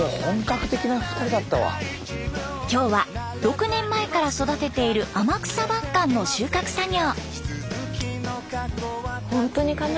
今日は６年前から育てている天草晩柑の収穫作業。